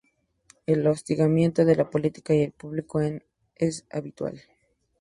El hostigamiento de la policía y el público es habitual.